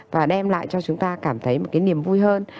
và đem lại cho chúng ta cảm thấy một cái niềm vui hơn